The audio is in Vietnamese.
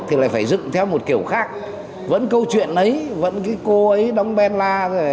thì lại phải dựng theo một kiểu khác vẫn câu chuyện ấy vẫn cái cô ấy đóng ben la